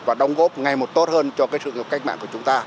và đồng góp ngay một tốt hơn cho cái sự cạnh mạng của chúng ta